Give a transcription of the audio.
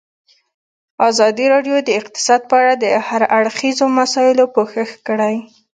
ازادي راډیو د اقتصاد په اړه د هر اړخیزو مسایلو پوښښ کړی.